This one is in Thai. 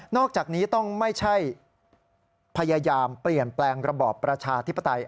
อกจากนี้ต้องไม่ใช่พยายามเปลี่ยนแปลงระบอบประชาธิปไตย